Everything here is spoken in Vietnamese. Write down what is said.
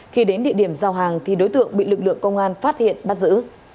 khi đến địa điểm giao hàng thì đối tượng bị lực lượng công an phát hiện bắt giữ